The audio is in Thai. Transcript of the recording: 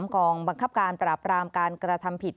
กองบังคับการปราบรามการกระทำผิด